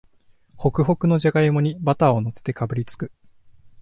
ホクホクのじゃがいもにバターをのせてかぶりつく